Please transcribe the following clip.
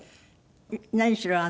何しろ